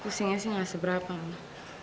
pusingnya sih gak seberapa mama